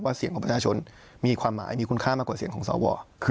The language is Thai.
เสียงของประชาชนมีความหมายมีคุณค่ามากกว่าเสียงของสว